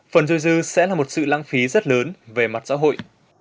phần dôi dư sẽ là một sự lãng phí rất lớn về mặt xã hội